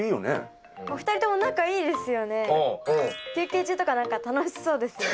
休憩中とか何か楽しそうですよね。